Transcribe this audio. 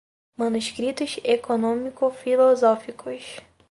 Manuscritos Econômico-Filosóficos